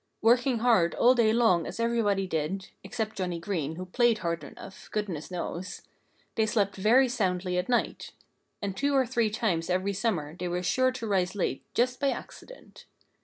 Working hard all day long as everybody did (except Johnnie Green, who played hard enough goodness knows!), they slept very soundly at night. And two or three times every summer they were sure to rise late, just by accident.